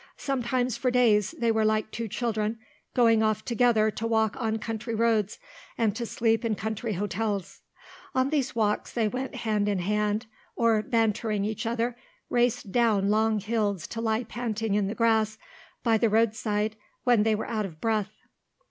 Sometimes for days they were like two children, going off together to walk on country roads and to sleep in country hotels. On these walks they went hand in hand or, bantering each other, raced down long hills to lie panting in the grass by the roadside when they were out of breath.